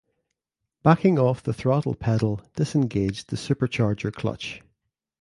Backing off the throttle pedal disengaged the supercharger clutch.